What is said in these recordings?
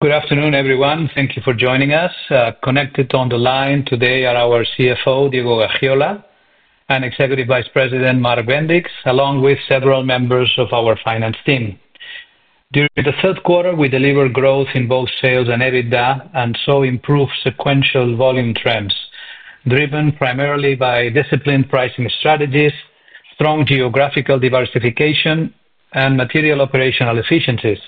Good afternoon, everyone. Thank you for joining us. Connected on the line today are our CFO, Diego Cuevas, and Executive Vice President, Mark Bendix, along with several members of our finance team. During the third quarter, we delivered growth in both sales and EBITDA, and improved sequential volume trends, driven primarily by disciplined pricing strategies, strong geographical diversification, and material operational efficiencies.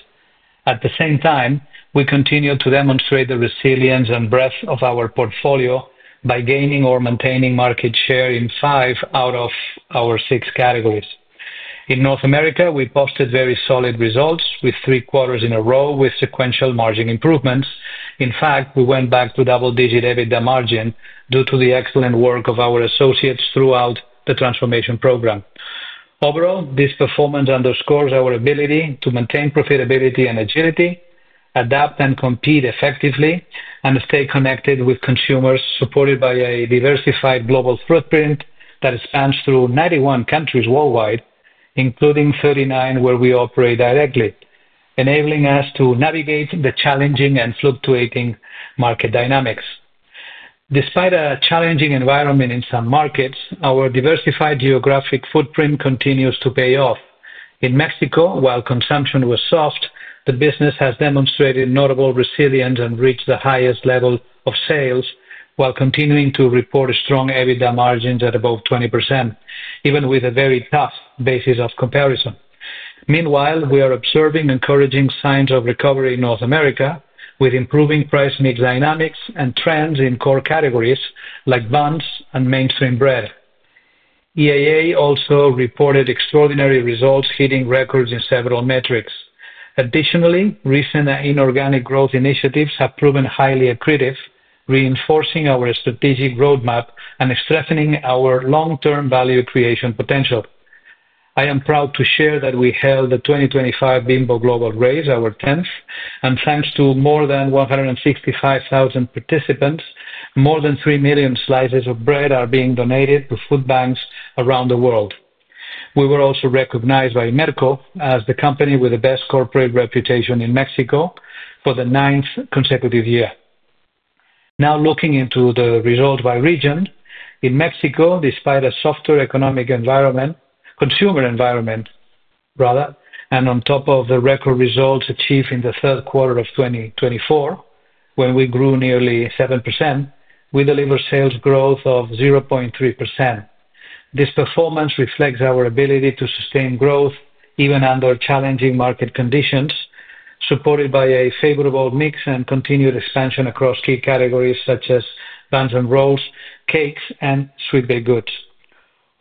At the same time, we continue to demonstrate the resilience and breadth of our portfolio by gaining or maintaining market share in five out of our six categories. In North America, we posted very solid results with three quarters in a row with sequential margin improvements. In fact, we went back to double-digit EBITDA margin due to the excellent work of our associates throughout the transformation program. Overall, this performance underscores our ability to maintain profitability and agility, adapt and compete effectively, and stay connected with consumers, supported by a diversified global footprint that spans through 91 countries worldwide, including 39 where we operate directly, enabling us to navigate the challenging and fluctuating market dynamics. Despite a challenging environment in some markets, our diversified geographic footprint continues to pay off. In Mexico, while consumption was soft, the business has demonstrated notable resilience and reached the highest level of sales while continuing to report strong EBITDA margins at above 20%, even with a very tough basis of comparison. Meanwhile, we are observing encouraging signs of recovery in North America with improving price mix dynamics and trends in core categories like buns and mainstream bread. EAA also reported extraordinary results, hitting records in several metrics. Additionally, recent inorganic growth initiatives have proven highly accretive, reinforcing our strategic roadmap and strengthening our long-term value creation potential. I am proud to share that we held the 2025 Bimbo Global Race, our 10th, and thanks to more than 165,000 participants, more than 3 million slices of bread are being donated to food banks around the world. We were also recognized by Merco, as the company with the best corporate reputation in Mexico, for the ninth consecutive year. Now looking into the results by region, in Mexico, despite a softer economic environment, consumer environment rather, and on top of the record results achieved in the third quarter of 2024, when we grew nearly 7%, we delivered sales growth of 0.3%. This performance reflects our ability to sustain growth even under challenging market conditions, supported by a favorable mix and continued expansion across key categories such as buns and rolls, cakes, and sweet baked goods.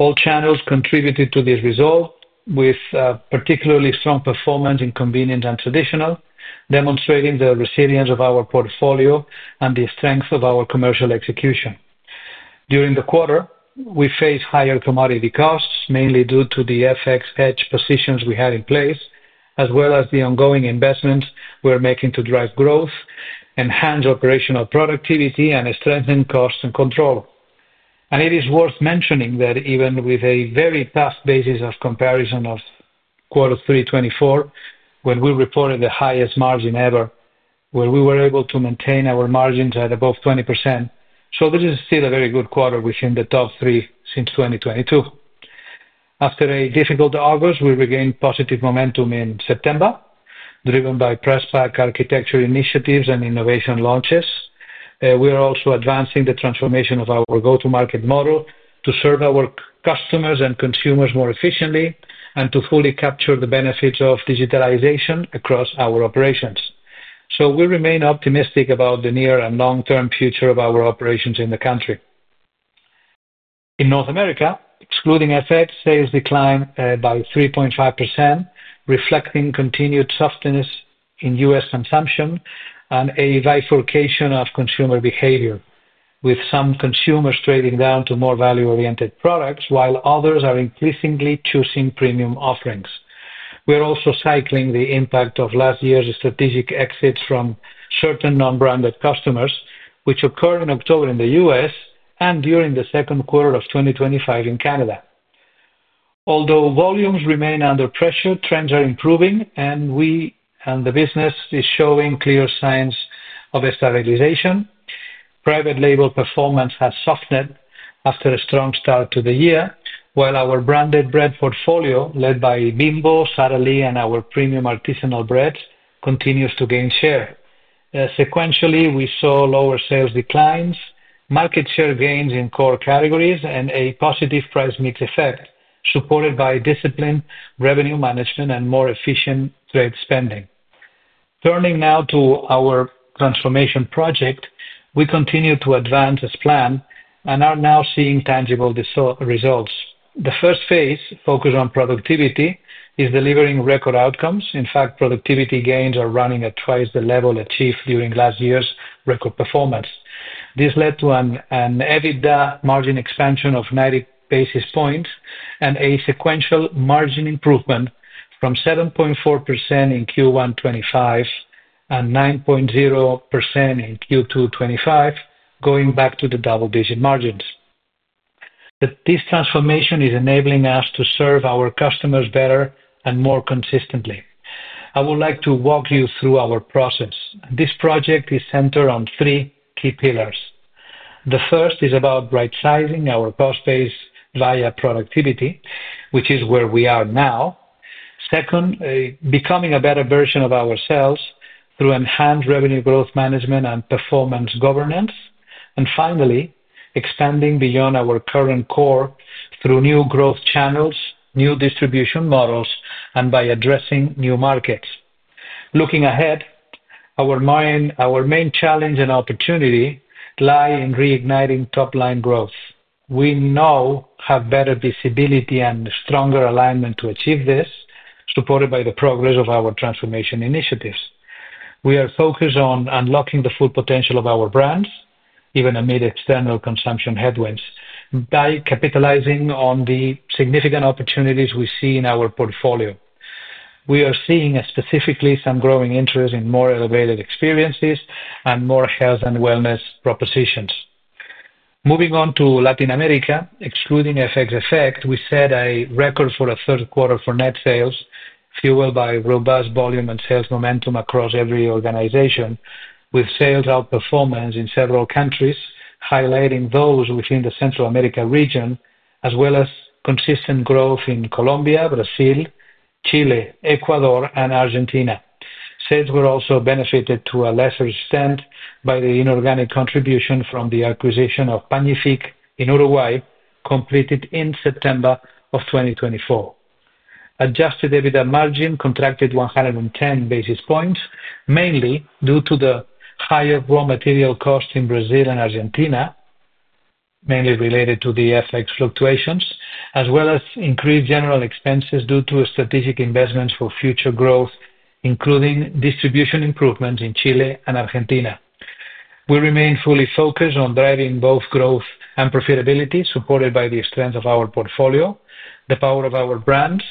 All channels contributed to this result, with particularly strong performance in convenience and traditional, demonstrating the resilience of our portfolio and the strength of our commercial execution. During the quarter, we faced higher commodity costs, mainly due to the FX hedge positions we had in place, as well as the ongoing investments we're making to drive growth, enhance operational productivity, and strengthen cost and control. It is worth mentioning that even with a very tough basis of comparison of quarter 3Q24, when we reported the highest margin ever, we were able to maintain our margins at above 20%, so this is still a very good quarter within the top three since 2022. After a difficult August, we regained positive momentum in September, driven by press pack architecture initiatives and innovation launches. We are also advancing the transformation of our go-to-market model to serve our customers and consumers more efficiently and to fully capture the benefits of digitalization across our operations. We remain optimistic about the near and long-term future of our operations in the country. In North America, excluding FX, sales declined by 3.5%, reflecting continued softness in U.S. consumption and a bifurcation of consumer behavior, with some consumers trading down to more value-oriented products while others are increasingly choosing premium offerings. We are also cycling the impact of last year's strategic exits from certain non-branded customers, which occurred in October in the U.S. and during the second quarter of 2025 in Canada. Although volumes remain under pressure, trends are improving and the business is showing clear signs of stabilization. Private label performance has softened after a strong start to the year, while our branded bread portfolio, led by Bimbo, Sara Lee, and our premium artisanal breads, continues to gain share. Sequentially, we saw lower sales declines, market share gains in core categories, and a positive price mix effect, supported by disciplined revenue management and more efficient trade spending. Turning now to our transformation project, we continue to advance as planned and are now seeing tangible results. The first phase, focused on productivity, is delivering record outcomes. In fact, productivity gains are running at twice the level achieved during last year's record performance. This led to an EBITDA margin expansion of 90 basis points and a sequential margin improvement from 7.4% in Q1 2025 and 9.0% in Q2 2025, going back to the double-digit margins. This transformation is enabling us to serve our customers better and more consistently. I would like to walk you through our process. This project is centered on three key pillars. The first is about right-sizing our cost base via productivity, which is where we are now. Second, becoming a better version of ourselves through enhanced revenue growth management and performance governance. Finally, expanding beyond our current core through new growth channels, new distribution models, and by addressing new markets. Looking ahead, our main challenge and opportunity lie in reigniting top-line growth. We now have better visibility and stronger alignment to achieve this, supported by the progress of our transformation initiatives. We are focused on unlocking the full potential of our brands, even amid external consumption headwinds, by capitalizing on the significant opportunities we see in our portfolio. We are seeing specifically some growing interest in more elevated experiences and more health and wellness propositions. Moving on to Latin America, excluding FX effect, we set a record for a third quarter for net sales, fueled by robust volume and sales momentum across every organization, with sales outperformance in several countries, highlighting those within the Central America region, as well as consistent growth in Colombia, Brazil, Chile, Ecuador, and Argentina. Sales were also benefited to a lesser extent by the inorganic contribution from the acquisition of Panific in Uruguay, completed in September of 2024. Adjusted EBITDA margin contracted 110 basis points, mainly due to the higher raw material cost in Brazil and Argentina, mainly related to the FX fluctuations, as well as increased general expenses due to strategic investments for future growth, including distribution improvements in Chile and Argentina. We remain fully focused on driving both growth and profitability, supported by the strength of our portfolio, the power of our brands,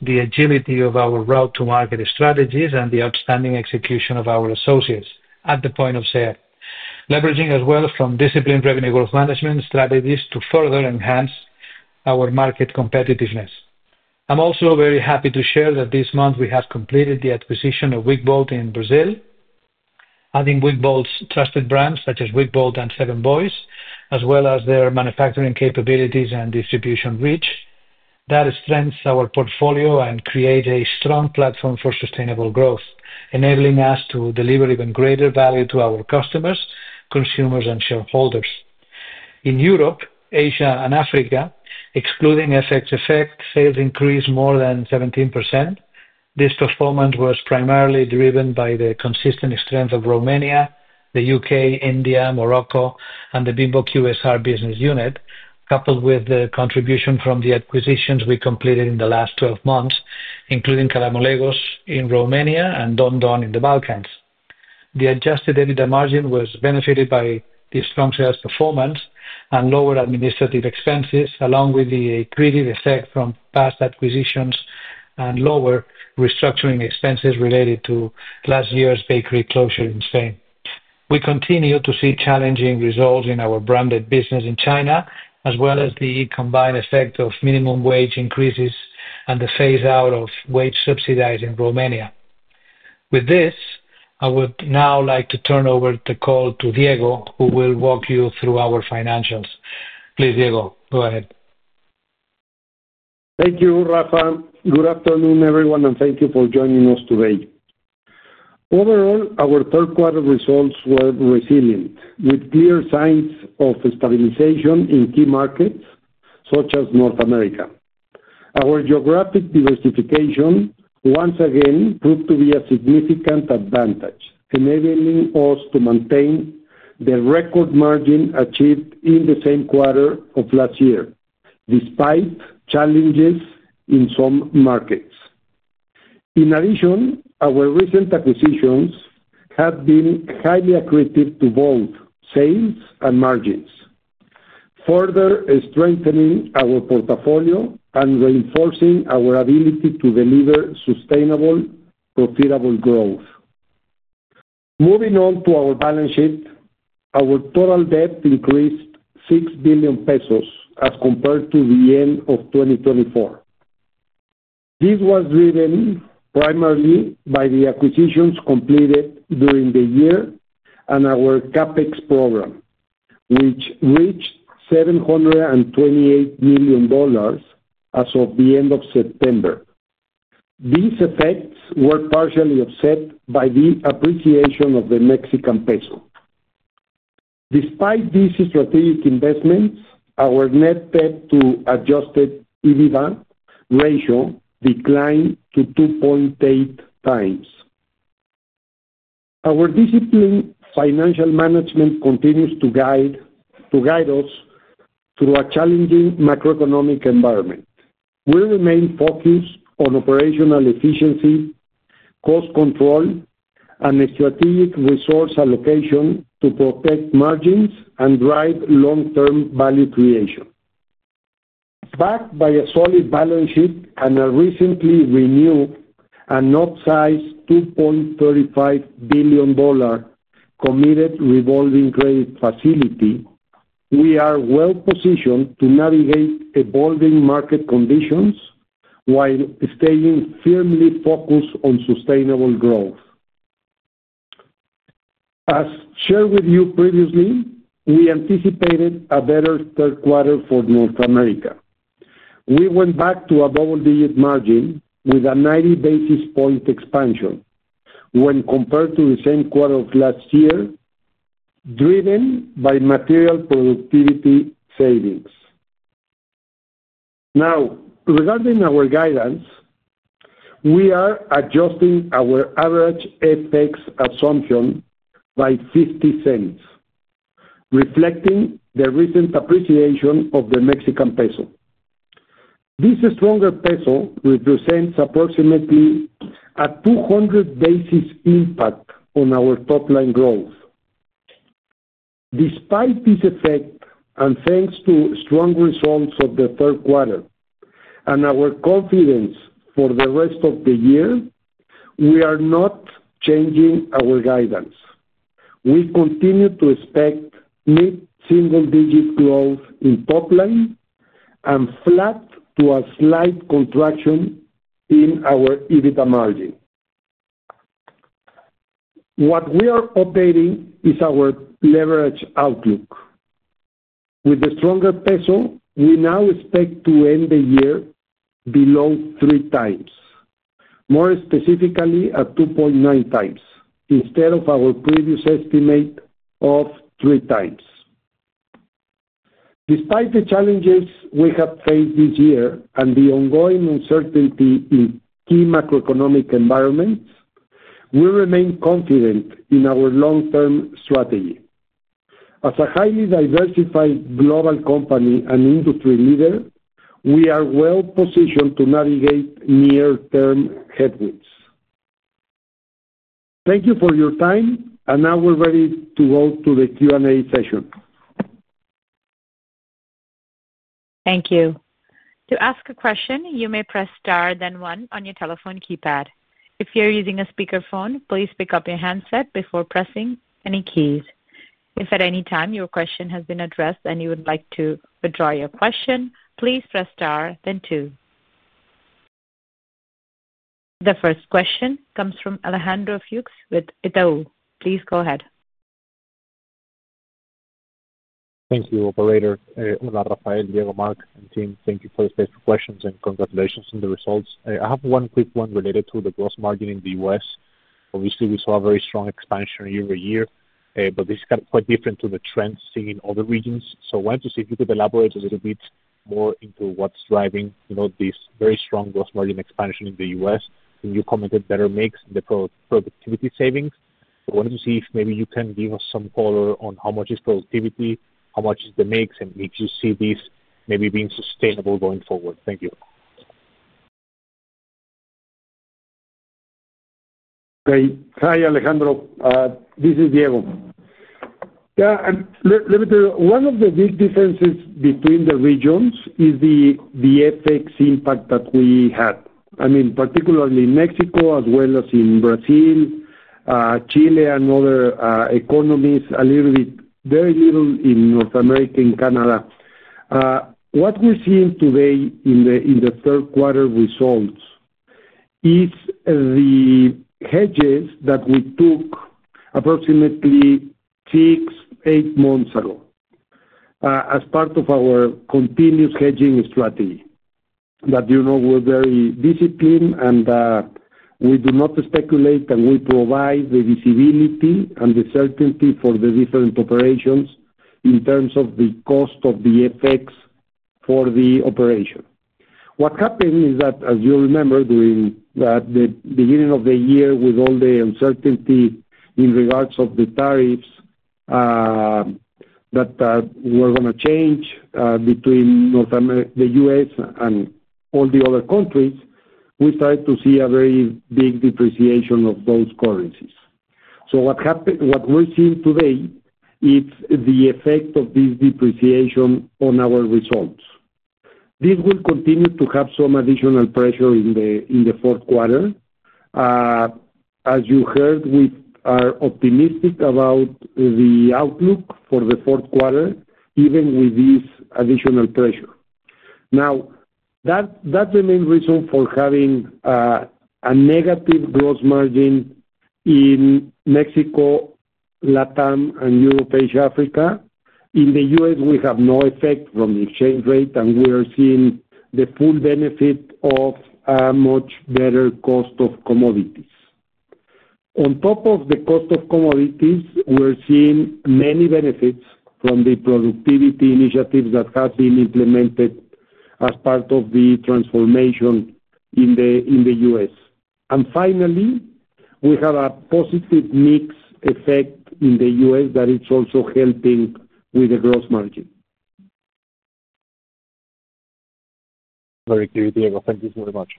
the agility of our route-to-market strategies, and the outstanding execution of our associates at the point of sale, leveraging as well from disciplined revenue growth management strategies to further enhance our market competitiveness. I'm also very happy to share that this month we have completed the acquisition of Wickbold in Brazil, adding Wickbold's trusted brands such as Wickbold and Seven Boys, as well as their manufacturing capabilities and distribution reach. That strengthens our portfolio and creates a strong platform for sustainable growth, enabling us to deliver even greater value to our customers, consumers, and shareholders. In Europe, Asia, and Africa, excluding FX effect, sales increased more than 17%. This performance was primarily driven by the consistent strength of Romania, the U.K., India, Morocco, and the Bimbo QSR business unit, coupled with the contribution from the acquisitions we completed in the last 12 months, including Călamulegos in Romania and Don Don in the Balkans. The Adjusted EBITDA margin was benefited by the strong sales performance and lower administrative expenses, along with the accretive effect from past acquisitions and lower restructuring expenses related to last year's bakery closure in Spain. We continue to see challenging results in our branded business in China, as well as the combined effect of minimum wage increases and the phase-out of wage subsidies in Romania. With this, I would now like to turn over the call to Diego, who will walk you through our financials. Please, Diego, go ahead. Thank you, Rafael. Good afternoon, everyone, and thank you for joining us today. Overall, our third quarter results were resilient, with clear signs of stabilization in key markets such as North America. Our geographic diversification once again proved to be a significant advantage, enabling us to maintain the record margin achieved in the same quarter of last year, despite challenges in some markets. In addition, our recent acquisitions have been highly accretive to both sales and margins, further strengthening our portfolio and reinforcing our ability to deliver sustainable, profitable growth. Moving on to our balance sheet, our total debt increased $6 billion pesos as compared to the end of 2024. This was driven primarily by the acquisitions completed during the year and our CapEx program, which reached $728 million as of the end of September. These effects were partially offset by the appreciation of the Mexican peso. Despite these strategic investments, our net debt to adjusted EBITDA ratio declined to 2.8x. Our disciplined financial management continues to guide us through a challenging macroeconomic environment. We remain focused on operational efficiency, cost control, and a strategic resource allocation to protect margins and drive long-term value creation. Backed by a solid balance sheet and a recently renewed and upsized $2.35 billion committed revolving credit facility, we are well-positioned to navigate evolving market conditions while staying firmly focused on sustainable growth. As shared with you previously, we anticipated a better third quarter for North America. We went back to a double-digit margin with a 90 basis point expansion when compared to the same quarter of last year, driven by material productivity savings. Now, regarding our guidance, we are adjusting our average FX assumption by $0.50, reflecting the recent appreciation of the Mexican peso. This stronger peso represents approximately a 200 basis point impact on our top-line growth. Despite this effect, and thanks to strong results of the third quarter and our confidence for the rest of the year, we are not changing our guidance. We continue to expect mid-single-digit growth in top-line and flat to a slight contraction in our EBITDA margin. What we are updating is our leverage outlook. With the stronger peso, we now expect to end the year below three times, more specifically at 2.9x instead of our previous estimate of three times. Despite the challenges we have faced this year and the ongoing uncertainty in key macroeconomic environments, we remain confident in our long-term strategy. As a highly diversified global company and industry leader, we are well-positioned to navigate near-term headwinds. Thank you for your time, and now we're ready to go to the Q&A session. Thank you. To ask a question, you may press star then one on your telephone keypad. If you're using a speakerphone, please pick up your handset before pressing any keys. If at any time your question has been addressed and you would like to withdraw your question, please press star then two. The first question comes from Alejandro Fuchs with Itaú. Please go ahead. Thank you, operator. Hola, Rafael, Diego, Mark, and team. Thank you for the special questions and congratulations on the results. I have one quick one related to the gross margin in the U.S. Obviously, we saw a very strong expansion year-over-year, but this is quite different to the trends seen in other regions. I wanted to see if you could elaborate a little bit more into what's driving this very strong gross margin expansion in the U.S. You commented better mix in the productivity savings. I wanted to see if maybe you can give us some color on how much is productivity, how much is the mix, and if you see this maybe being sustainable going forward. Thank you. Hi, Alejandro. This is Diego. Yeah, let me tell you, one of the big differences between the regions is the FX impact that we had. I mean, particularly in Mexico, as well as in Brazil, Chile, and other economies, a little bit, very little in North America and Canada. What we're seeing today in the third quarter results is the hedges that we took approximately six, eight months ago, as part of our continuous hedging strategy. You know we're very disciplined and we do not speculate, and we provide the visibility and the certainty for the different operations in terms of the cost of the FX for the operation. What happened is that, as you remember, during the beginning of the year, with all the uncertainty in regards to the tariffs that were going to change between North America, the U.S., and all the other countries, we started to see a very big depreciation of those currencies. What we're seeing today is the effect of this depreciation on our results. This will continue to have some additional pressure in the fourth quarter. As you heard, we are optimistic about the outlook for the fourth quarter, even with this additional pressure. Now, that's the main reason for having a negative gross margin in Mexico, Latin America, and Europe, Asia, and Africa. In the U.S., we have no effect from the exchange rate, and we are seeing the full benefit of a much better cost of commodities. On top of the cost of commodities, we're seeing many benefits from the productivity initiatives that have been implemented as part of the transformation in the U.S. Finally, we have a positive mix effect in the U.S. that is also helping with the gross margin. Very clear, Diego. Thank you very much.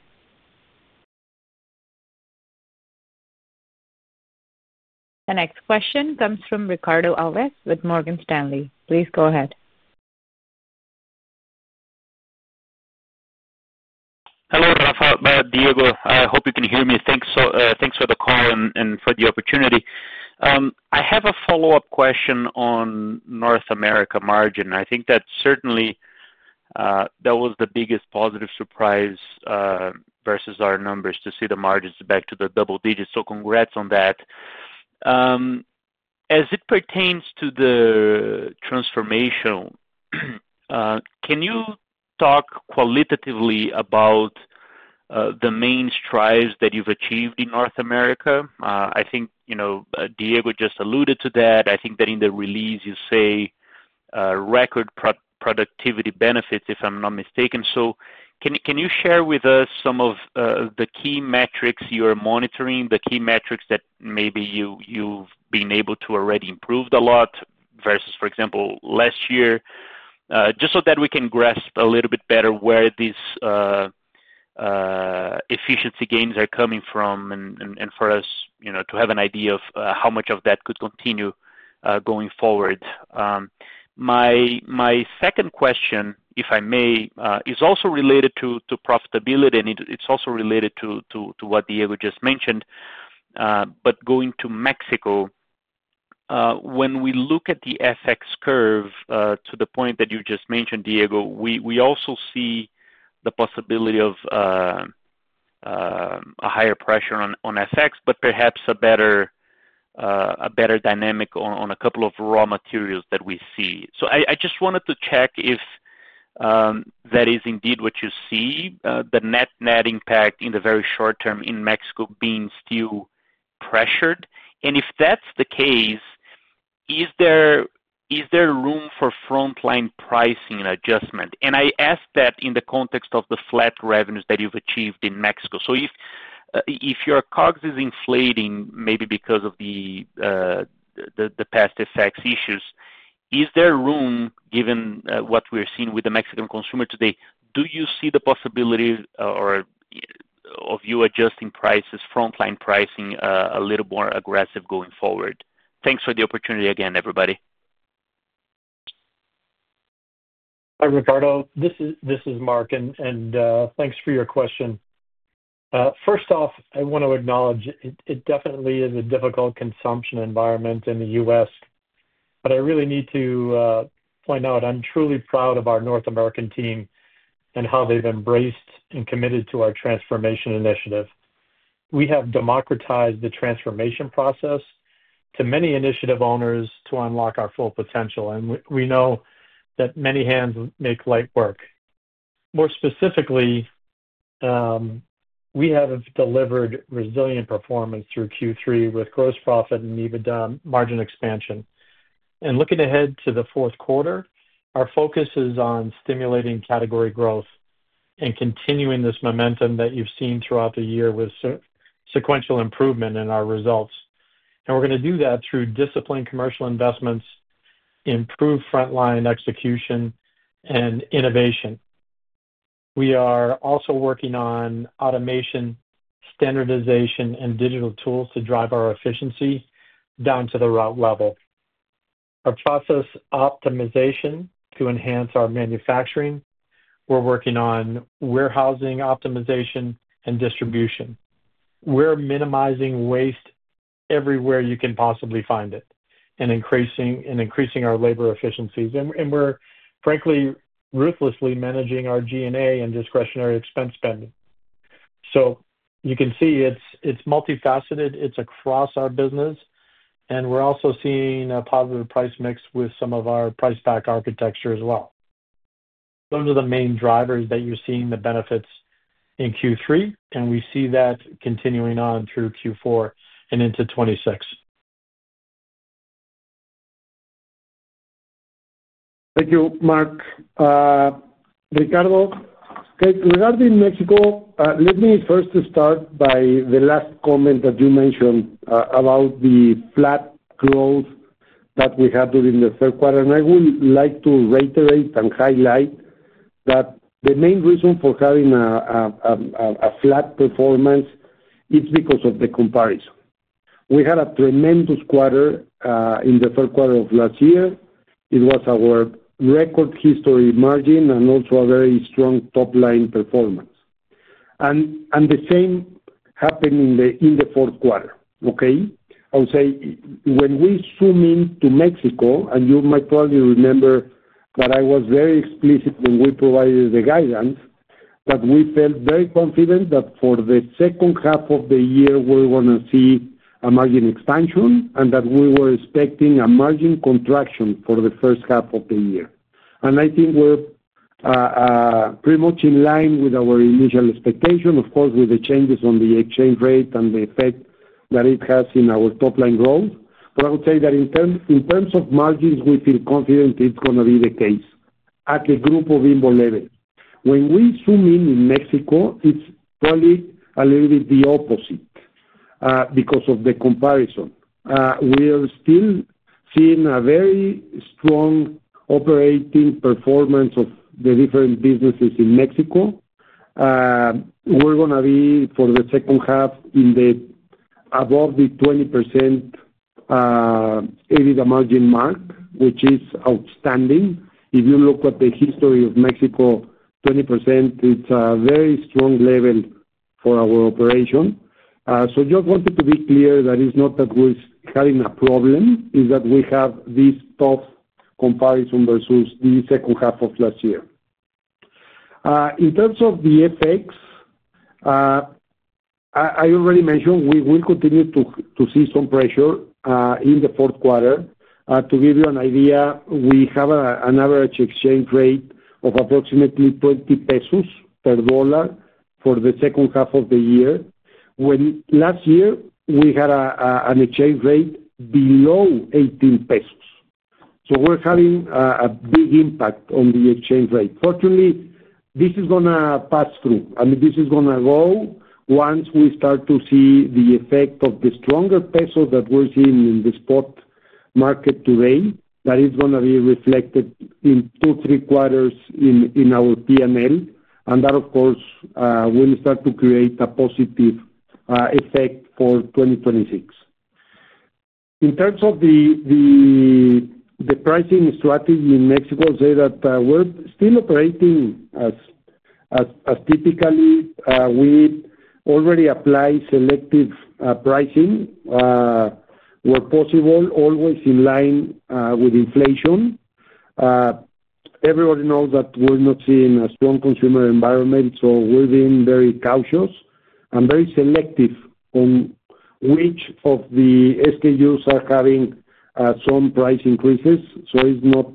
The next question comes from Ricardo Alves with Morgan Stanley. Please go ahead. Hello, Rafael, Diego. I hope you can hear me. Thanks for the call and for the opportunity. I have a follow-up question on North America margin. I think that certainly, that was the biggest positive surprise, versus our numbers to see the margins back to the double digits. Congrats on that. As it pertains to the transformation, can you talk qualitatively about the main strides that you've achieved in North America? I think, you know, Diego just alluded to that. I think that in the release, you say record productivity benefits, if I'm not mistaken. Can you share with us some of the key metrics you are monitoring, the key metrics that maybe you've been able to already improve a lot versus, for example, last year? Just so that we can grasp a little bit better where these efficiency gains are coming from and for us to have an idea of how much of that could continue going forward. My second question, if I may, is also related to profitability, and it's also related to what Diego just mentioned. Going to Mexico, when we look at the FX curve, to the point that you just mentioned, Diego, we also see the possibility of a higher pressure on FX, but perhaps a better dynamic on a couple of raw materials that we see. I just wanted to check if that is indeed what you see, the net net impact in the very short term in Mexico being still pressured. If that's the case, is there room for frontline pricing and adjustment? I ask that in the context of the flat revenues that you've achieved in Mexico. If your COGS is inflating, maybe because of the past FX issues, is there room, given what we're seeing with the Mexican consumer today? Do you see the possibility of you adjusting prices, frontline pricing, a little more aggressive going forward? Thanks for the opportunity again, everybody. Hi, Ricardo. This is Mark. Thanks for your question. First off, I want to acknowledge it definitely is a difficult consumption environment in the U.S. I really need to point out I'm truly proud of our North America team and how they've embraced and committed to our transformation initiative. We have democratized the transformation process to many initiative owners to unlock our full potential, and we know that many hands make light work. More specifically, we have delivered resilient performance through Q3 with gross profit and EBITDA margin expansion. Looking ahead to the fourth quarter, our focus is on stimulating category growth and continuing this momentum that you've seen throughout the year with sequential improvement in our results. We're going to do that through disciplined commercial investments, improved frontline execution, and innovation. We are also working on automation, standardization, and digital tools to drive our efficiency down to the route level. Our process optimization to enhance our manufacturing, we're working on warehousing optimization and distribution. We're minimizing waste everywhere you can possibly find it and increasing our labor efficiencies. We're, frankly, ruthlessly managing our G&A and discretionary expense spending. You can see it's multifaceted. It's across our business. We're also seeing a positive price mix with some of our price pack architecture as well. Those are the main drivers that you're seeing the benefits in Q3. We see that continuing on through Q4 and into 2026. Thank you, Mark. Ricardo, regarding Mexico, let me first start by the last comment that you mentioned, about the flat growth that we had during the third quarter. I would like to reiterate and highlight that the main reason for having a flat performance is because of the comparison. We had a tremendous quarter in the third quarter of last year. It was our record history margin and also a very strong top-line performance. The same happened in the fourth quarter. I would say when we zoom into Mexico, and you might probably remember that I was very explicit when we provided the guidance, that we felt very confident that for the second half of the year, we're going to see a margin expansion and that we were expecting a margin contraction for the first half of the year. I think we're pretty much in line with our initial expectation, of course, with the changes on the exchange rate and the effect that it has in our top-line growth. I would say that in terms of margins, we feel confident it's going to be the case at the Grupo Bimbo level. When we zoom in in Mexico, it's probably a little bit the opposite, because of the comparison. We are still seeing a very strong operating performance of the different businesses in Mexico. We're going to be, for the second half, above the 20% EBITDA margin mark, which is outstanding. If you look at the history of Mexico, 20% is a very strong level for our operation. I just wanted to be clear that it's not that we're having a problem. It's that we have this tough comparison versus the second half of last year. In terms of the FX, I already mentioned we will continue to see some pressure in the fourth quarter. To give you an idea, we have an average exchange rate of approximately $20 per dollar for the second half of the year, when last year we had an exchange rate below $18. So we're having a big impact on the exchange rate. Fortunately, this is going to pass through. I mean, this is going to go once we start to see the effect of the stronger peso that we're seeing in the spot market today. That is going to be reflected in two, three quarters in our P&L. That, of course, will start to create a positive effect for 2026. In terms of the pricing strategy in Mexico, I'll say that we're still operating as typically. We already apply selective pricing where possible, always in line with inflation. Everybody knows that we're not seeing a strong consumer environment, so we're being very cautious and very selective on which of the SKUs are having some price increases. It's not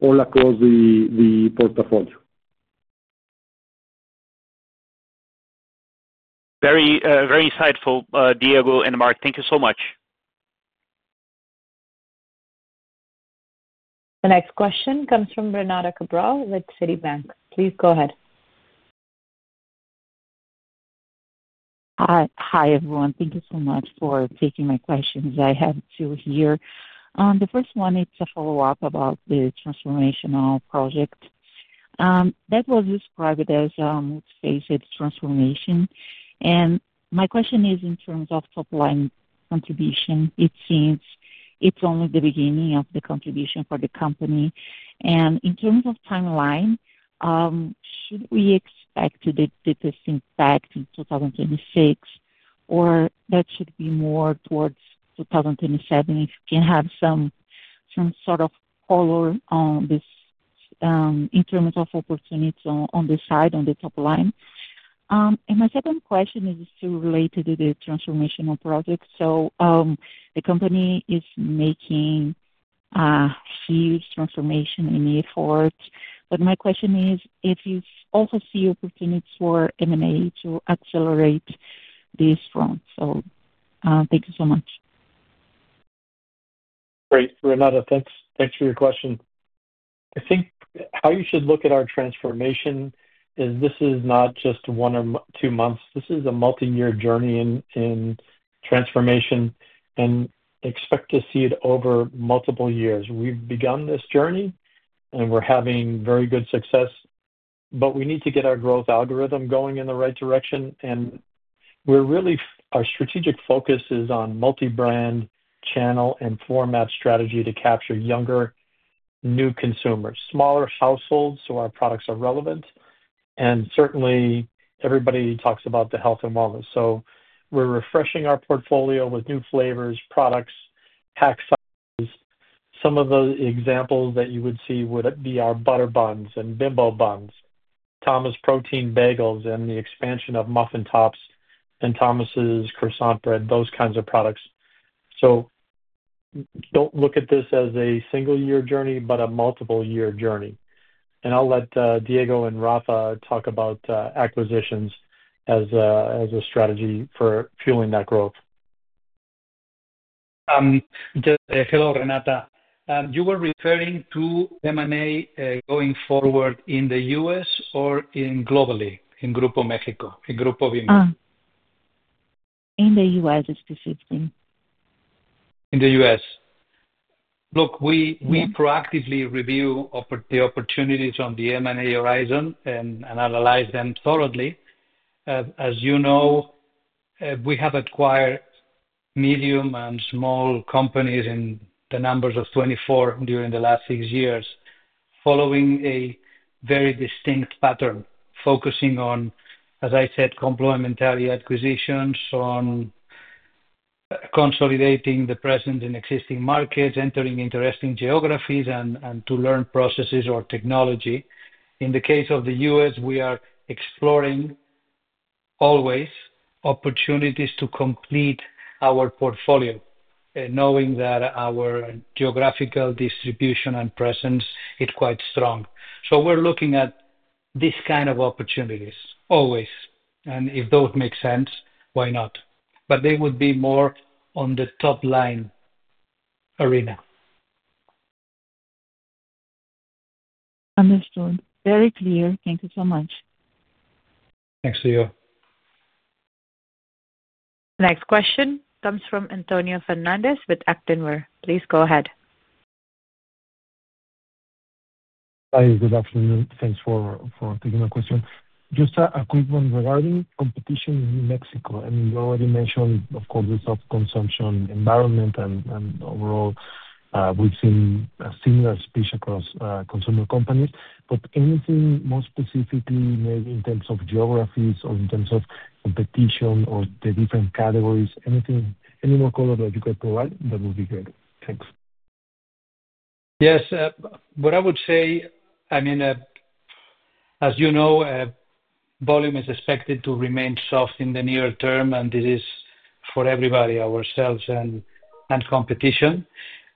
all across the portfolio. Very, very insightful, Diego and Mark. Thank you so much. The next question comes from Renata Cabral with Citi. Please go ahead. Hi, hi everyone. Thank you so much for taking my questions. I have two here. The first one, it's a follow-up about the transformation project that was described as a multiphased transformation. My question is in terms of top-line contribution. It seems it's only the beginning of the contribution for the company. In terms of timeline, should we expect the biggest impact in 2026, or should that be more towards 2027 if we can have some sort of color on this, increment of opportunities on the side, on the top line? My second question is still related to the transformation project. The company is making a huge transformation in the effort. My question is if you also see opportunities for M&A to accelerate this front. Thank you so much. Great. Renata, thanks. Thanks for your question. I think how you should look at our transformation is this is not just one or two months. This is a multi-year journey in transformation and expect to see it over multiple years. We've begun this journey, and we're having very good success. We need to get our growth algorithm going in the right direction. Our strategic focus is on multi-brand channel and format strategy to capture younger, new consumers, smaller households, so our products are relevant. Certainly, everybody talks about the health and wellness. We're refreshing our portfolio with new flavors, products, pack sizes. Some of the examples that you would see would be our butter buns and Bimbo buns, Thomas protein bagels, and the expansion of muffin tops and Thomas's croissant bread, those kinds of products. Do not look at this as a single-year journey, but a multiple-year journey. I'll let Diego and Rafa talk about acquisitions as a strategy for fueling that growth. Just to add, Renata, you were referring to M&A going forward in the U.S. or globally in Grupo Bimbo? In the U.S., specifically. In the U.S. Look, we proactively review the opportunities on the M&A horizon and analyze them thoroughly. As you know, we have acquired medium and small companies in the numbers of 24 during the last six years, following a very distinct pattern, focusing on, as I said, complementary acquisitions, on consolidating the presence in existing markets, entering interesting geographies, and to learn processes or technology. In the case of the U.S., we are exploring always opportunities to complete our portfolio, knowing that our geographical distribution and presence is quite strong. We are looking at these kinds of opportunities always. If those make sense, why not? They would be more on the top-line arena. Understood. Very clear. Thank you so much. Thanks to you. The next question comes from Antonio Fernández with Actionware. Please go ahead. Hi, good afternoon. Thanks for taking my question. Just a quick one regarding competition in Mexico. You already mentioned, of course, the self-consumption environment and overall, we've seen a similar speech across consumer companies. Anything more specifically maybe in terms of geographies or in terms of competition or the different categories? Any more color that you could provide? That would be great. Thanks. Yes. What I would say, I mean, as you know, volume is expected to remain soft in the near term, and this is for everybody, ourselves and competition.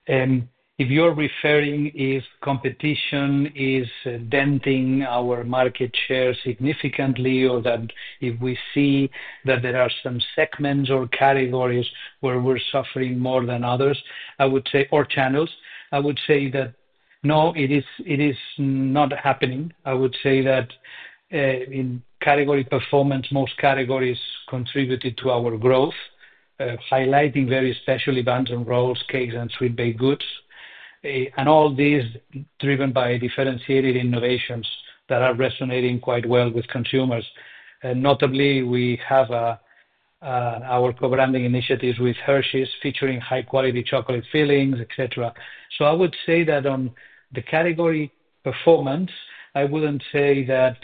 If you're referring if competition is denting our market share significantly or that if we see that there are some segments or categories where we're suffering more than others, I would say, or channels, I would say that no, it is not happening. I would say that, in category performance, most categories contributed to our growth, highlighting very specialty buns and rolls, cakes, and sweet baked goods. All this is driven by differentiated innovations that are resonating quite well with consumers. Notably, we have our co-branding initiatives with Hershey's featuring high-quality chocolate fillings, etc. I would say that on the category performance, I wouldn't say that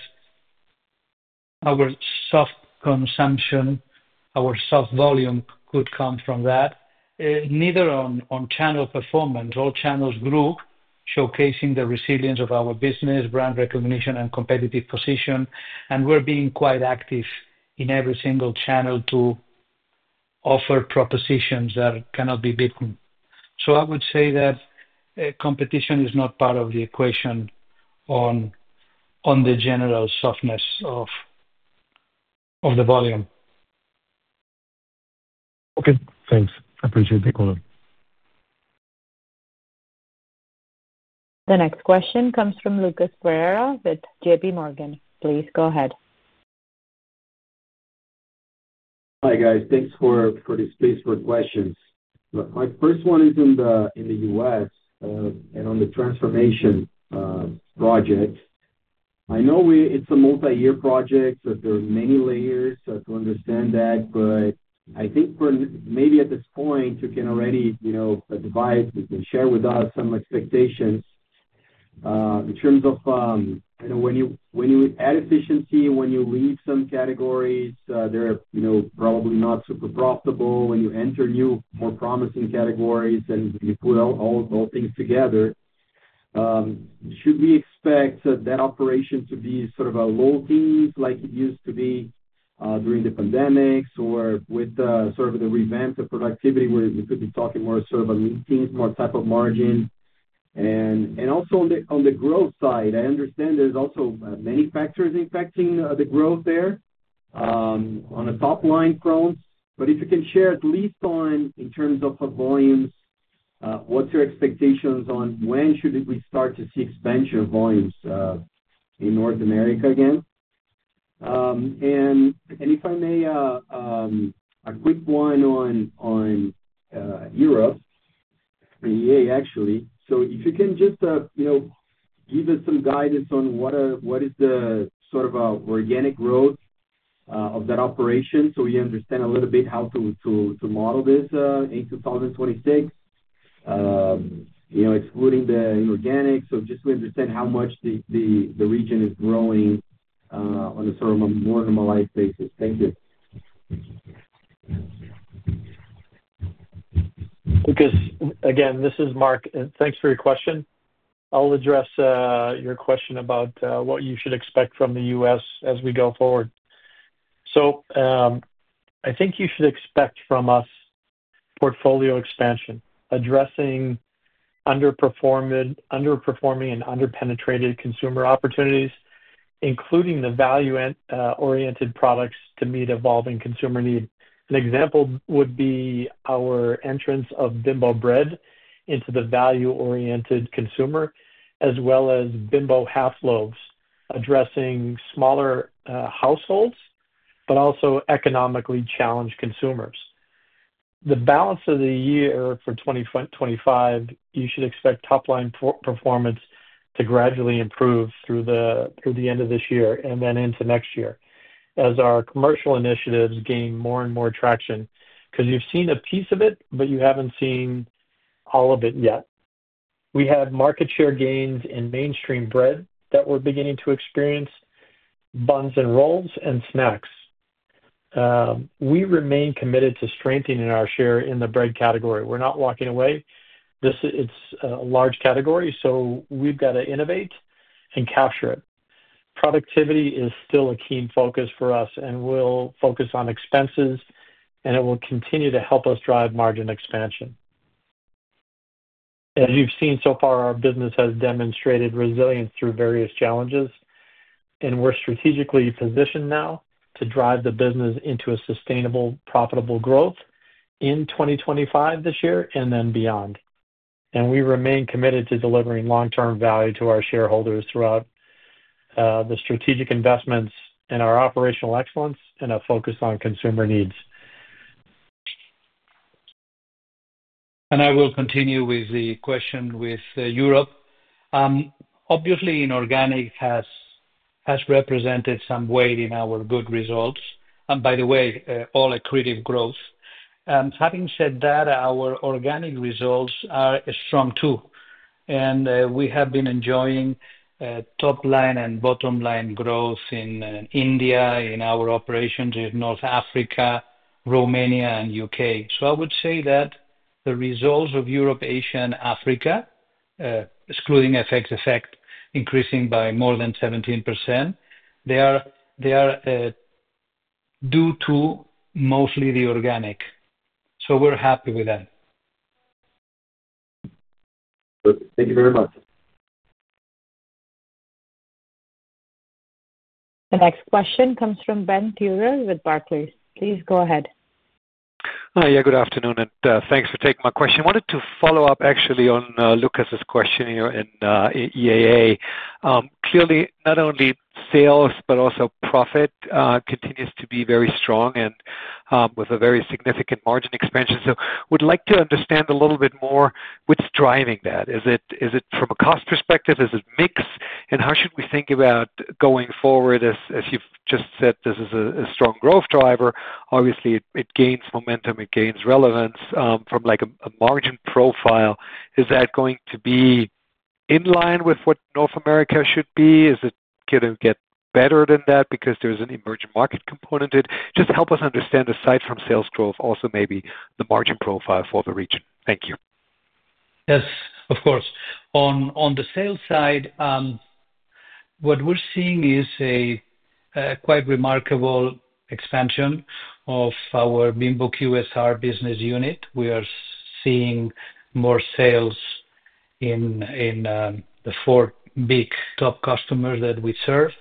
our soft consumption, our soft volume could come from that, neither on channel performance. All channels grew, showcasing the resilience of our business, brand recognition, and competitive position. We're being quite active in every single channel to offer propositions that cannot be beaten. I would say that competition is not part of the equation on the general softness of the volume. Okay, thanks. I appreciate the call. The next question comes from Lucas Ferreira with JPMorgan. Please go ahead. Hi, guys. Thanks for this space for questions. My first one is in the U.S., and on the transformation project. I know it's a multi-year project, that there are many layers to understand that. I think maybe at this point, you can already advise and share with us some expectations, in terms of, you know, when you add efficiency, when you leave some categories that are probably not super profitable. When you enter new, more promising categories and you put all things together, should we expect that operation to be sort of a low teens like it used to be during the pandemics, or with the sort of the revamp of productivity, where we could be talking more sort of a mid-teens, more type of margin? Also, on the growth side, I understand there's also many factors impacting the growth there on the top-line fronts. If you can share at least in terms of volumes, what's your expectations on when should we start to see expansion of volumes in North America again? If I may, a quick one on Europe, the EAA, actually. If you can just give us some guidance on what is the sort of organic growth of that operation so we understand a little bit how to model this in 2026, excluding the inorganics, so we understand how much the region is growing on a sort of a more normalized basis. Thank you. Lucas, again, this is Mark. Thanks for your question. I'll address your question about what you should expect from the U.S. as we go forward. I think you should expect from us portfolio expansion, addressing underperforming and underpenetrated consumer opportunities, including the value-oriented products to meet evolving consumer needs. An example would be our entrance of Bimbo Bread into the value-oriented consumer, as well as Bimbo Half Loaves, addressing smaller households, but also economically challenged consumers. The balance of the year for 2025, you should expect top-line performance to gradually improve through the end of this year and then into next year as our commercial initiatives gain more and more traction because you've seen a piece of it, but you haven't seen all of it yet. We have market share gains in mainstream bread that we're beginning to experience, buns and rolls, and snacks. We remain committed to strengthening our share in the bread category. We're not walking away. This is a large category, so we've got to innovate and capture it. Productivity is still a keen focus for us, and we'll focus on expenses, and it will continue to help us drive margin expansion. As you've seen so far, our business has demonstrated resilience through various challenges, and we're strategically positioned now to drive the business into a sustainable, profitable growth in 2025 this year and then beyond. We remain committed to delivering long-term value to our shareholders throughout the strategic investments in our operational excellence and a focus on consumer needs. I will continue with the question with Europe. Obviously, inorganic has represented some weight in our good results, and by the way, all accretive growth. Having said that, our organic results are strong too, and we have been enjoying top-line and bottom-line growth in India, in our operations in North Africa, Romania, and U.K. I would say that the results of Europe, Asia, and Africa, excluding FX effect, increasing by more than 17%, are due to mostly the organic. We're happy with them. Perfect. Thank you very much. The next question comes from Ben Theurer with Barclays. Please go ahead. Hi. Yeah, good afternoon. Thanks for taking my question. I wanted to follow up actually on Lucas's question here in EAA. Clearly, not only sales, but also profit continues to be very strong, with a very significant margin expansion. I would like to understand a little bit more what's driving that. Is it from a cost perspective? Is it mixed? How should we think about going forward? As you've just said, this is a strong growth driver. Obviously, it gains momentum. It gains relevance from a margin profile. Is that going to be in line with what North America should be? Is it going to get better than that because there's an emerging market component? Help us understand, aside from sales growth, also maybe the margin profile for the region. Thank you. Yes, of course. On the sales side, what we're seeing is a quite remarkable expansion of our Bimbo QSR business unit. We are seeing more sales in the four big top customers that we serve.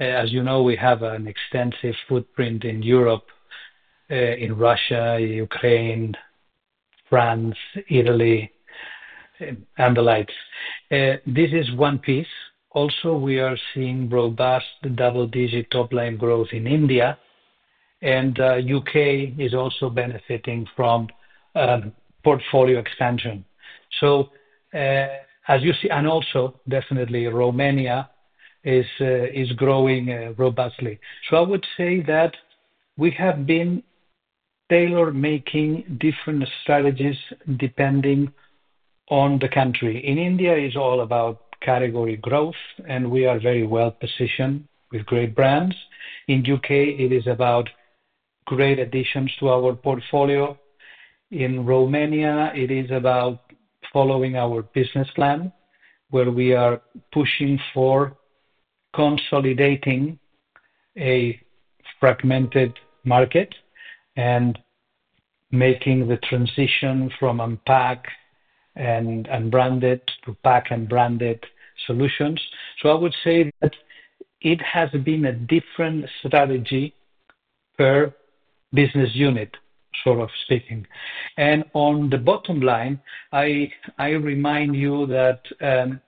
As you know, we have an extensive footprint in Europe, in Russia, Ukraine, France, Italy, and the likes. This is one piece. Also, we are seeing robust double-digit top-line growth in India. The U.K. is also benefiting from portfolio expansion. As you see, definitely Romania is growing robustly. I would say that we have been tailor-making different strategies depending on the country. In India, it's all about category growth, and we are very well positioned with great brands. In the U.K., it is about great additions to our portfolio. In Romania, it is about following our business plan where we are pushing for consolidating a fragmented market and making the transition from unpacked and unbranded to pack and branded solutions. I would say that it has been a different strategy per business unit, sort of speaking. On the bottom line, I remind you that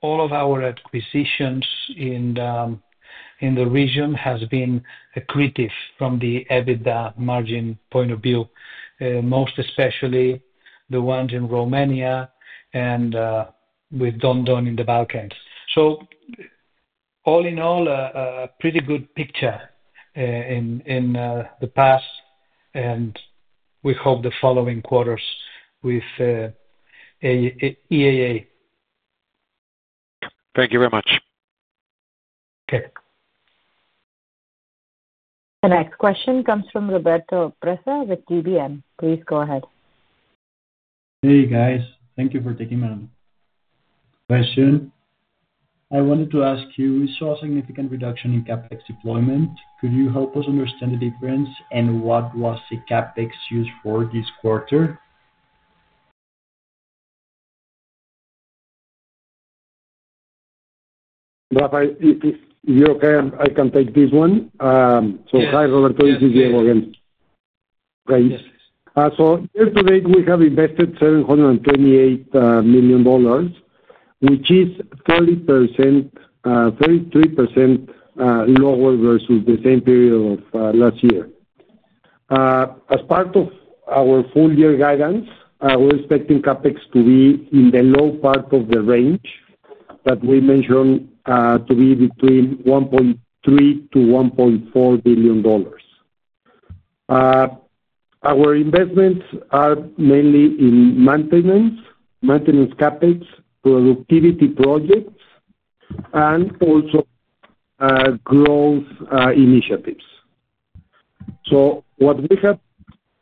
all of our acquisitions in the region have been accretive from the EBITDA margin point of view, most especially the ones in Romania and with Don Don in the Balkans. All in all, a pretty good picture in the past, and we hope the following quarters with EAA. Thank you very much. Okay. The next question comes from Roberto Presa with TBN. Please go ahead. Hey, guys. Thank you for taking my question. I wanted to ask you, we saw a significant reduction in CapEx deployment. Could you help us understand the difference, and what was the CapEx used for this quarter? Rafael, if you're okay, I can take this one. Hi, Roberto, this is Diego again. Right? Yes. Year to date, we have invested $728 million, which is 33% lower versus the same period of last year. As part of our full-year guidance, we're expecting CapEx to be in the low part of the range that we mentioned to be between $1.3-$1.4 billion. Our investments are mainly in maintenance, maintenance CapEx, productivity projects, and also growth initiatives. What we have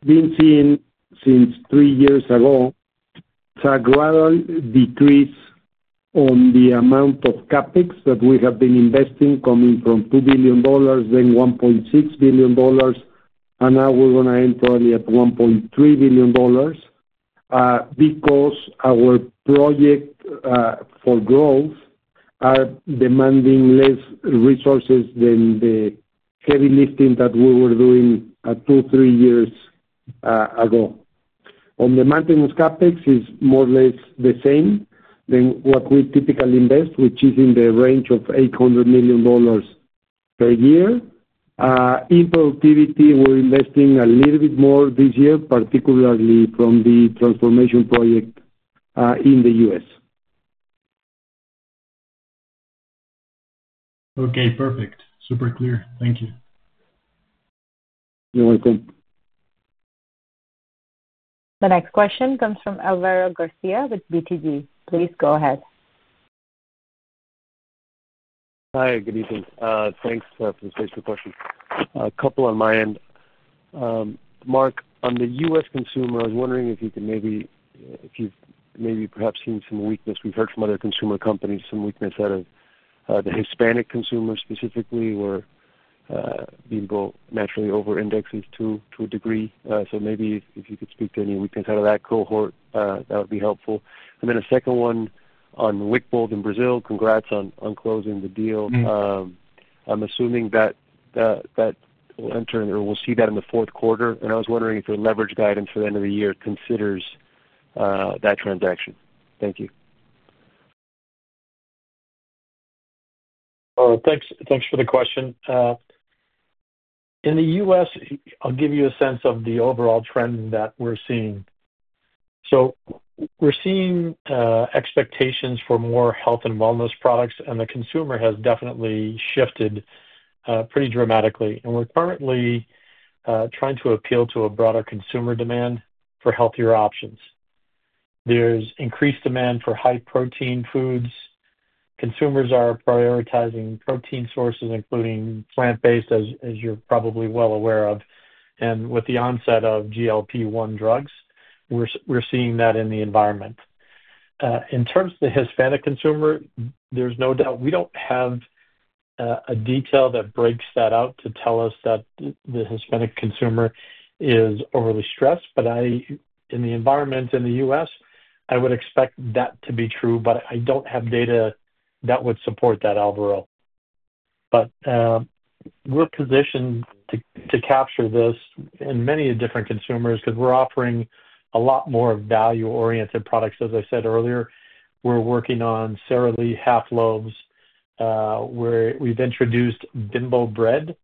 been seeing since three years ago is a gradual decrease on the amount of CapEx that we have been investing, coming from $2 billion, then $1.6 billion, and now we're going to end probably at $1.3 billion because our projects for growth are demanding less resources than the heavy lifting that we were doing two, three years ago. On the maintenance CapEx, it's more or less the same than what we typically invest, which is in the range of $800 million per year. In productivity, we're investing a little bit more this year, particularly from the transformation project in the U.S. Okay. Perfect. Super clear. Thank you. You're welcome. The next question comes from Alvaro Garcia with BTG. Please go ahead. Hi, good evening. Thanks for the special question. A couple on my end. Mark, on the U.S. consumer, I was wondering if you could maybe, if you've maybe perhaps seen some weakness. We've heard from other consumer companies some weakness out of the Hispanic consumer specifically, where Grupo Bimbo naturally over-indexes to a degree. If you could speak to any weakness out of that cohort, that would be helpful. A second one on Wickbold in Brazil. Congrats on closing the deal. I'm assuming that will enter or we'll see that in the fourth quarter. I was wondering if your leverage guidance for the end of the year considers that transaction. Thank you. Thanks for the question. In the U.S., I'll give you a sense of the overall trend that we're seeing. We're seeing expectations for more health and wellness products, and the consumer has definitely shifted pretty dramatically. We're currently trying to appeal to a broader consumer demand for healthier options. There's increased demand for high-protein foods. Consumers are prioritizing protein sources, including plant-based, as you're probably well aware of. With the onset of GLP-1 drugs, we're seeing that in the environment. In terms of the Hispanic consumer, there's no doubt we don't have a detail that breaks that out to tell us that the Hispanic consumer is overly stressed. In the environment in the U.S., I would expect that to be true, but I don't have data that would support that, Alvaro. We're positioned to capture this in many different consumers because we're offering a lot more value-oriented products. As I said earlier, we're working on Sara Lee Half Loaves. We've introduced Bimbo Bread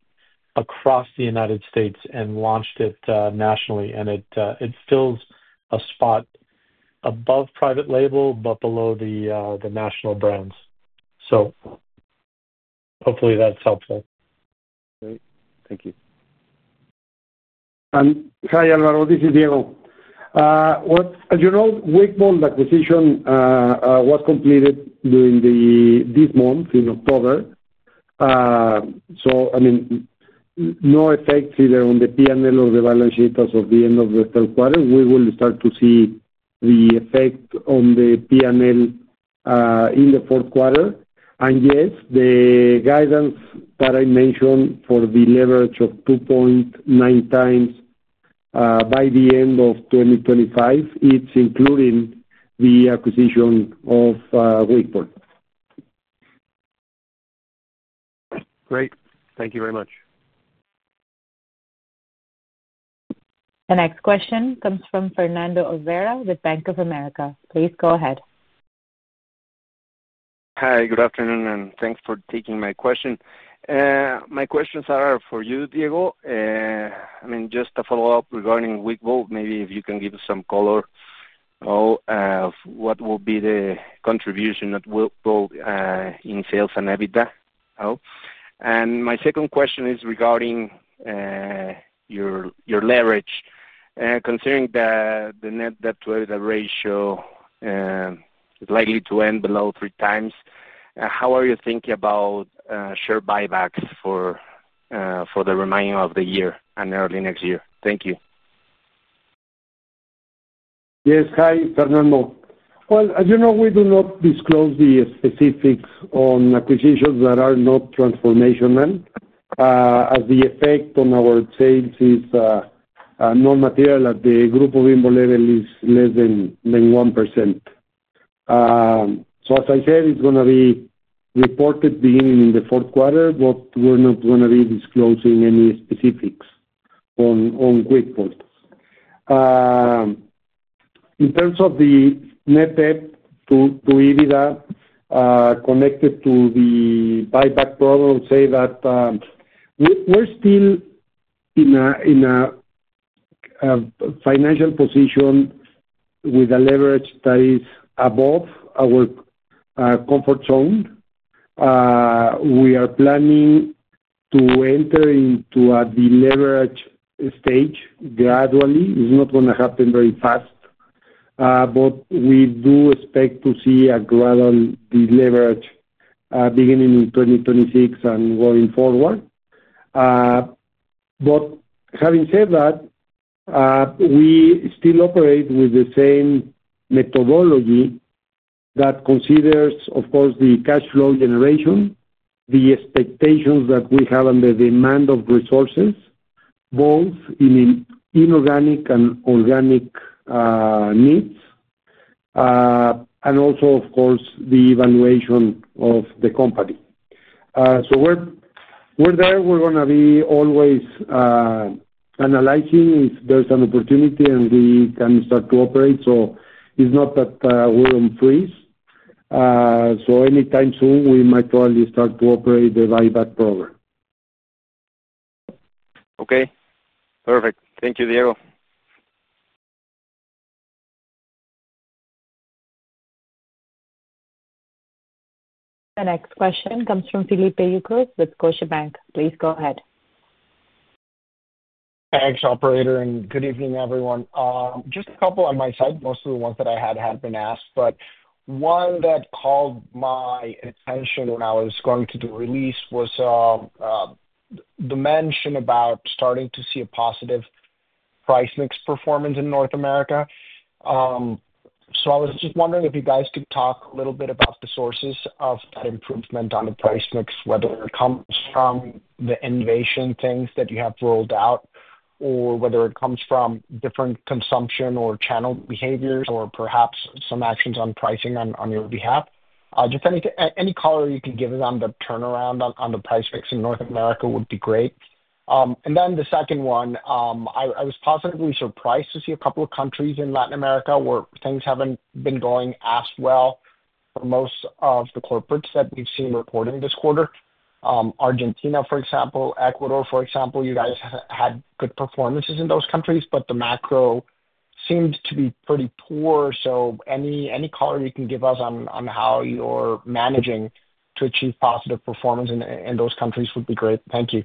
across the United States and launched it nationally. It fills a spot above private label, but below the national brands. Hopefully, that's helpful. Great. Thank you. Hi, Alvaro. This is Diego. As you know, Wickbold acquisition was completed during this month in October. I mean, no effect either on the P&L or the balance sheet as of the end of the third quarter. We will start to see the effect on the P&L in the fourth quarter. Yes, the guidance that I mentioned for the leverage of 2.9x by the end of 2025 is including the acquisition of Wickbold. Great. Thank you very much. The next question comes from Fernando Oliveira with Bank of America. Please go ahead. Hi. Good afternoon, and thanks for taking my question. My questions are for you, Diego. Just a follow-up regarding Wickbold. Maybe if you can give us some color of what will be the contribution of Wickbold in sales and EBITDA. My second question is regarding your leverage. Considering that the Net debt/EBITDA ratio is likely to end below three times, how are you thinking about share buybacks for the remaining of the year and early next year? Thank you. Yes, hi, Fernando. As you know, we do not disclose the specifics on acquisitions that are not transformational, as the effect on our sales is non-material at the Grupo Bimbo level; it is less than 1%. As I said, it's going to be reported beginning in the fourth quarter, but we're not going to be disclosing any specifics on Wickbold. In terms of the Net debt/EBITDA, connected to the buyback program, I would say that we're still in a financial position with a leverage that is above our comfort zone. We are planning to enter into a deleveraging stage gradually. It's not going to happen very fast, but we do expect to see a gradual deleveraging beginning in 2026 and going forward. Having said that, we still operate with the same methodology that considers, of course, the cash flow generation, the expectations that we have on the demand of resources, both in inorganic and organic needs, and also, of course, the evaluation of the company. We're going to be always analyzing if there's an opportunity and we can start to operate. It's not that we're on freeze. Anytime soon, we might probably start to operate the buyback program. Okay. Perfect. Thank you, Diego. The next question comes from Felipe Ucros with Scotiabank. Please go ahead. Thanks, operator, and good evening, everyone. Just a couple on my side. Most of the ones that I had have been asked. One that called my attention when I was going to do a release was the mention about starting to see a positive price mix performance in North America. I was just wondering if you guys could talk a little bit about the sources of that improvement on the price mix, whether it comes from the innovation things that you have rolled out or whether it comes from different consumption or channel behaviors or perhaps some actions on pricing on your behalf. Anything, any color you can give on the turnaround on the price mix in North America would be great. The second one, I was positively surprised to see a couple of countries in Latin America where things haven't been going as well for most of the corporates that we've seen reporting this quarter. Argentina, for example, Ecuador, for example, you guys had good performances in those countries, but the macro seemed to be pretty poor. Any color you can give us on how you're managing to achieve positive performance in those countries would be great. Thank you.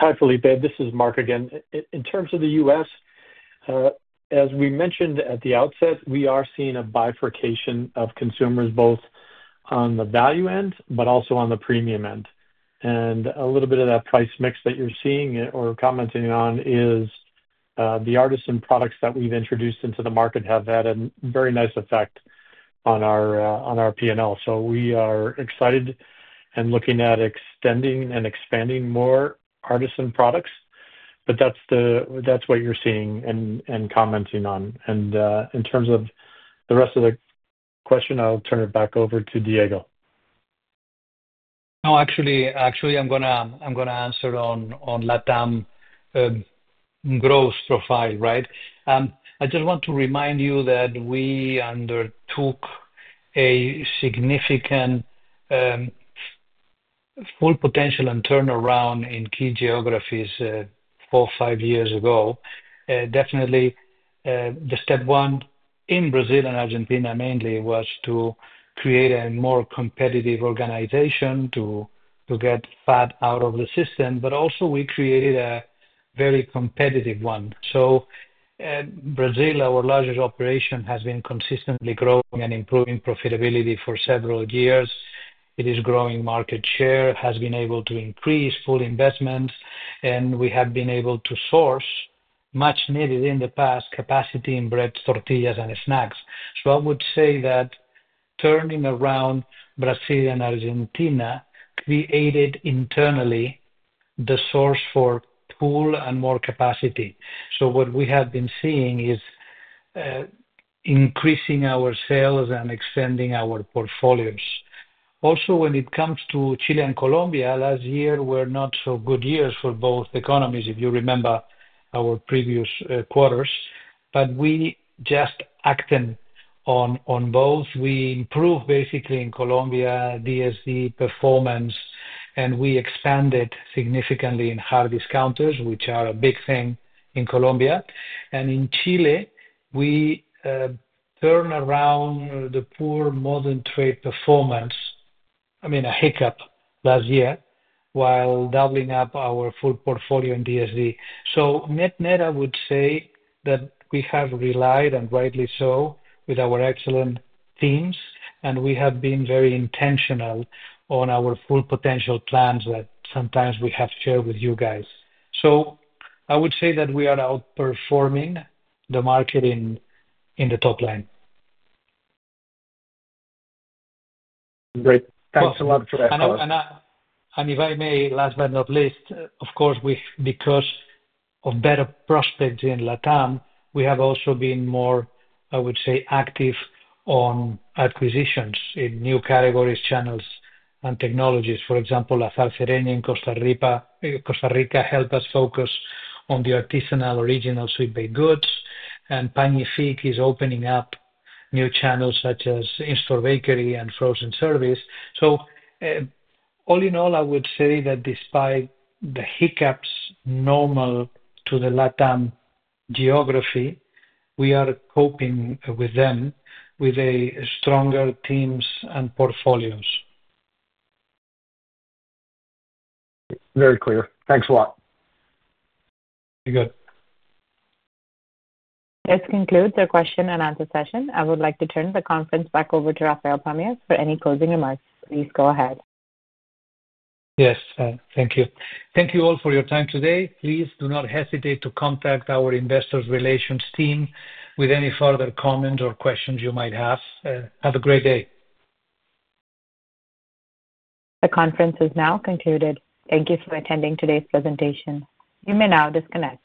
Hi, Felipe. This is Mark again. In terms of the U.S., as we mentioned at the outset, we are seeing a bifurcation of consumers both on the value end, but also on the premium end. A little bit of that price mix that you're seeing or commenting on is, the artisan products that we've introduced into the market have had a very nice effect on our P&L. We are excited and looking at extending and expanding more artisan products. That's what you're seeing and commenting on. In terms of the rest of the question, I'll turn it back over to Diego. No, actually, I'm going to answer on LatAm growth profile, right? I just want to remind you that we undertook a significant, full potential and turnaround in key geographies, four, five years ago. Definitely, the step one in Brazil and Argentina mainly was to create a more competitive organization to get fat out of the system. Also, we created a very competitive one. Brazil, our largest operation, has been consistently growing and improving profitability for several years. It is growing market share, has been able to increase full investments, and we have been able to source much-needed in the past capacity in breads, tortillas, and snacks. I would say that turning around Brazil and Argentina created internally the source for pool and more capacity. What we have been seeing is increasing our sales and extending our portfolios. Also, when it comes to Chile and Colombia, last year were not so good years for both economies, if you remember our previous quarters, but we just acted on both. We improved basically in Colombia DSD performance, and we expanded significantly in hard discounters, which are a big thing in Colombia. In Chile, we turned around the poor modern trade performance, I mean, a hiccup last year, while doubling up our full portfolio in DSD. Net-net, I would say that we have relied, and rightly so, with our excellent teams, and we have been very intentional on our full potential plans that sometimes we have shared with you guys. I would say that we are outperforming the market in the top line. Great. Thanks a lot, Rafael. If I may, last but not least, of course, because of better prospects in LatAm, we have also been more, I would say, active on acquisitions in new categories, channels, and technologies. For example, La Zarceria in Costa Rica helped us focus on the artisanal original sweet baked goods. Panific is opening up new channels such as in-store bakery and frozen service. All in all, I would say that despite the hiccups normal to the LatAm geography, we are coping with them with stronger teams and portfolios. Very clear. Thanks a lot. You're good. Let's conclude the question and answer session. I would like to turn the conference back over to Rafael Pamias Romero for any closing remarks. Please go ahead. Yes. Thank you. Thank you all for your time today. Please do not hesitate to contact our Investor Relations team with any further comments or questions you might have. Have a great day. The conference is now concluded. Thank you for attending today's presentation. You may now disconnect.